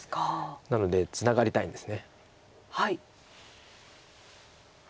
なのでツナがりたいんです。